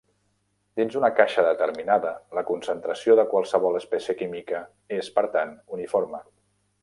Dins una caixa determinada, la concentració de qualsevol espècie química és, per tant, uniforme.